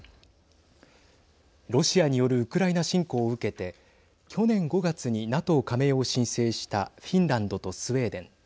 ロシアによるウクライナ侵攻を受けて去年５月にＮＡＴＯ加盟を申請したフィンランドとスウェーデン。